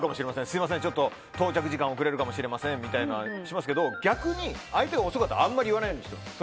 すみません、ちょっと到着時間遅れるかもしれませんみたいなのはしますけど逆に、相手が遅かったらあまり言わないようにしています。